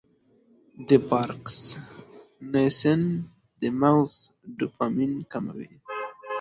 د پارکنسن د مغز ډوپامین کموي.